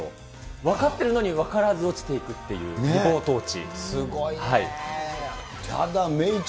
分かってるのに分からず落ちていくっていう、リポート落ち。